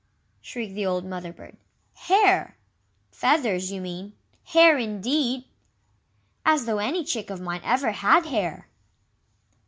shrieked the old Mother bird, "HAIR!! Feathers, you mean. Hair, indeed! As though any chick of mine ever had hair!"